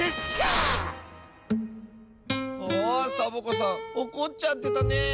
あサボ子さんおこっちゃってたね。